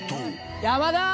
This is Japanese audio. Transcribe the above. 山田？